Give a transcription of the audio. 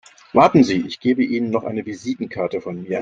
Warten Sie, ich gebe Ihnen noch eine Visitenkarte von mir.